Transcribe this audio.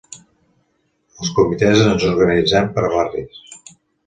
Els Comitès ens organitzem per barris.